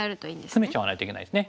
そうつめちゃわないといけないですね。